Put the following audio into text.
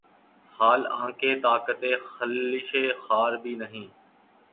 حال آنکہ طاقتِ خلشِ خار بھی نہیں